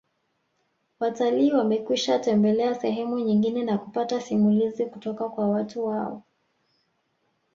Watalii wamekwishatembelea sehemu nyingine na kupata simulizi kutoka kwa watu wao